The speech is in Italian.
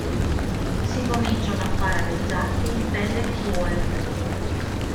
Si cominciano a fare le giacche in pelle di bue.